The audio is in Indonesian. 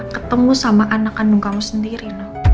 ketemu sama anak kandung kamu sendiri